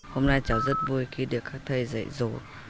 hôm nay cháu rất vui khi được các thầy dạy dỗ